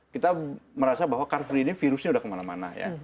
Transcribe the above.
kita merasa bahwa car free day virusnya sudah kemana mana ya